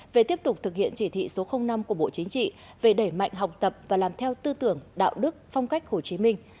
về tiếp tục thực hiện chỉ thị số năm của bộ chính trị về đẩy mạnh học tập và làm theo tư tưởng đạo đức phong cách hồ chí minh